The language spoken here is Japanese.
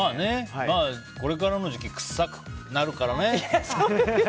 これからの時期臭くなるからね。